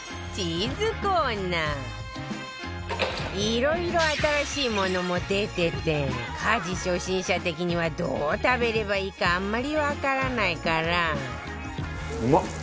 色々新しいものも出てて家事初心者的にはどう食べればいいかあんまりわからないから